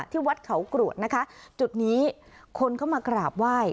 ที่วัดเขากรวดนะคะจุดนี้คนเข้ามากราบไหว้